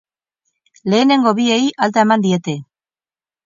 Lehenengo biei alta eman diete.